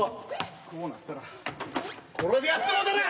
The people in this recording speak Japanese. こうなったらこれでやってもうたらぁ！